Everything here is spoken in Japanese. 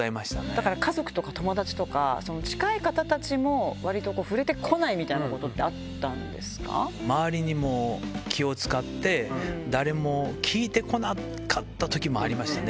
だから家族とか友だちとか、近い方たちも、わりとこう、触れてこないみたいなことあった周りにも気を遣って、誰も聞いてこなかったときもありましたね。